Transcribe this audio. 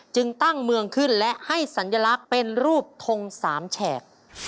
จึงตั้งเมืองขึ้นและให้สัญลักษณ์เป็นรูปทงสามแฉก